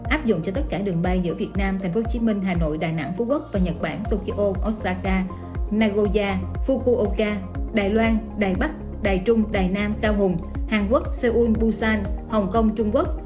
áp dụng cho tất cả đường bay giữa việt nam tp hcm hà nội đà nẵng phú quốc và nhật bản tokyo osaka nagoya fukuoka đài loan đài bắc đài trung đài nam cao hùng hàn quốc seoul busan hồng kông trung quốc